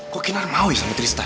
kok kinar mau ya sama tristan